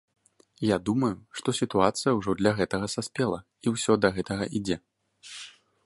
Я думаю, што сітуацыя ўжо для гэтага саспела і ўсё да гэтага ідзе.